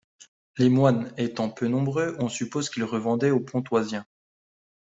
Les moines étant peu nombreux, on suppose qu’ils les revendaient aux Pontoisiens.